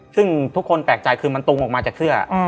ซึ่งทุกคนแปลกใจคือมันตุงออกมาจากเสื้อ